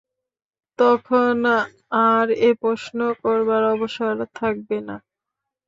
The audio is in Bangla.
তখন আর এ প্রশ্ন করবার অবসর থাকবে না।